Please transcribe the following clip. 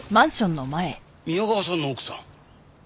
宮川さんの奥さん？